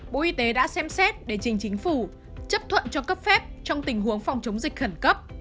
bộ y tế đã xem xét để trình chính phủ chấp thuận cho cấp phép trong tình huống phòng chống dịch khẩn cấp